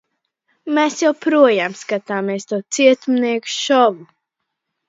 Mēs joprojām skatāmies to cietumnieku šovu.